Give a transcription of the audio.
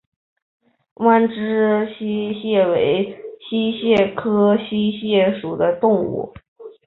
弯肢溪蟹为溪蟹科溪蟹属的动物。